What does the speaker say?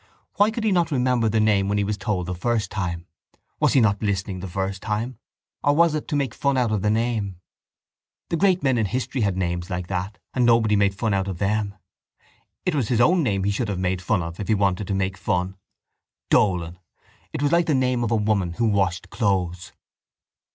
Why could he not remember the name when he was told the first time? Was he not listening the first time or was it to make fun out of the name? The great men in the history had names like that and nobody made fun of them. It was his own name that he should have made fun of if he wanted to make fun. Dolan: it was like the name of a woman who washed clothes.